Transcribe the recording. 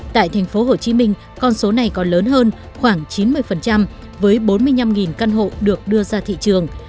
tại tp hcm con số này còn lớn hơn khoảng chín mươi với bốn mươi năm căn hộ được đưa ra thị trường